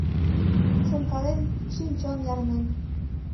Шонкален, шӱм-чон ярнен.